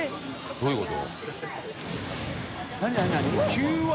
どういうこと？